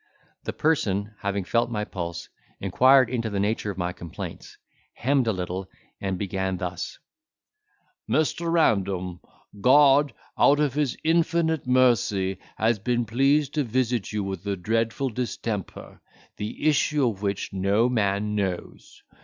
The person, having felt my pulse, inquired into the nature of my complaints, hemmed a little, and began thus: "Mr. Random, God out of his infinite mercy has been pleased to visit you with a dreadful distemper, the issue of which no man knows.